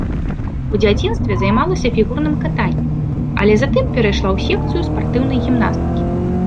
У дзяцінстве займалася фігурным катаннем, але затым перайшла ў секцыю спартыўнай гімнастыкі.